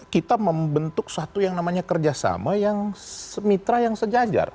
kita membentuk satu yang namanya kerjasama yang mitra yang sejajar